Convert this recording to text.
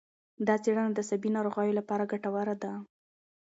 دا څېړنه د عصبي ناروغیو لپاره ګټوره ده.